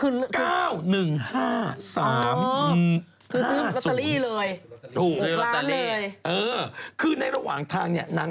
เออขึ้นในระหว่างทางนี่น้ำล่ะ